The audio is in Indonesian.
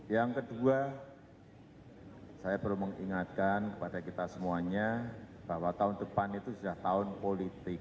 yang kedua saya perlu mengingatkan kepada kita semuanya bahwa tahun depan itu sudah tahun politik